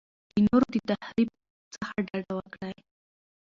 د نورو د تخریب څخه ډډه وکړئ.